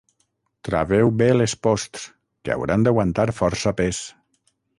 Traveu bé les posts, que hauran d'aguantar força pes.